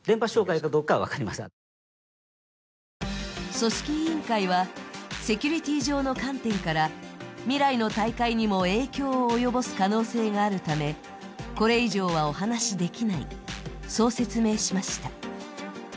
組織委員会は、セキュリティー上の観点から未来の大会にも影響を及ぼす可能性があるためこれ以上はお話しできない、そう説明しました。